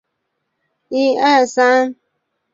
美国地区指的美国的正式政权机构外的区划。